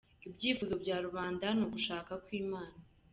« Ibyifuzo bya rubanda niko gushaka kw’Imana »